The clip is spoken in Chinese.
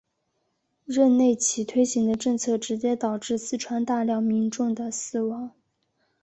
任内其推行的政策直接导致四川大量民众的死亡。